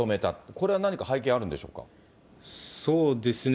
これは何か背景あるんでしょうかそうですね。